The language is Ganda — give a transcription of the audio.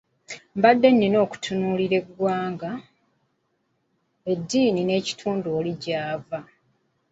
Mbadde nnina okutunuulira eggwanga, eddiini n’ekitundu oli gy’ava.